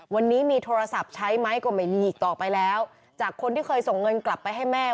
วันนี้มีโทรศัพท์ใช้ไหมก็ไม่มีอีกต่อไปแล้วจากคนที่เคยส่งเงินกลับไปให้แม่